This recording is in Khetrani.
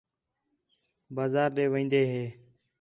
بازار ݙے وین٘دے ہی